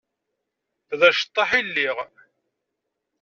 D aceṭṭaḥ i lliɣ.